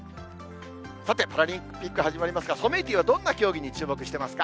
さて、パラリンピック始まりますが、ソメイティはどんな競技に注目してますか？